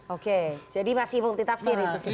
oke jadi masih multi tafsir itu